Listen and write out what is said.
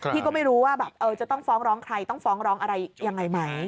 ที่ก็ไม่รู้ว่าแบบจะต้องฟ้องร้องใครต้องฟ้องร้องอะไรยังไงไหม